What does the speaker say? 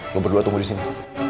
lo berdua tunggu disini